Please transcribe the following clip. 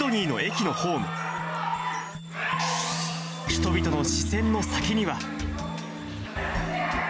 人々の視線の先には。